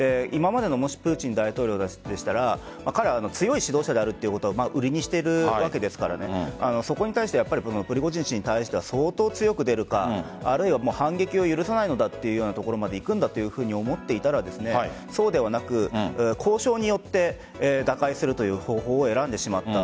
プーチン大統領でしたら強い指導者であることを売りにしているわけですからそこに対してプリゴジン氏に対しては相当強く出るかあるいは反撃を許さないんだというところまでいくんだと思っていたらそうではなく交渉によって打開するという方法を選んでしまった。